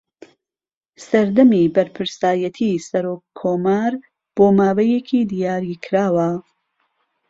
سەردەمی بەرپرسایەتی سەرۆککۆمار بۆ ماوەیەکی دیاریکراوە